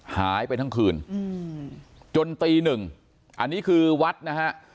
หายไปทั้งคืนจนตีหนึ่งอันนี้คือวัดนะฮะ